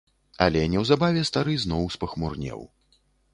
Але неўзабаве стары зноў спахмурнеў.